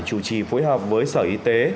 chủ trì phối hợp với sở y tế